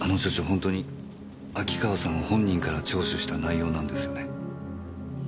本当に秋川さん本人から聴取した内容なんですよね？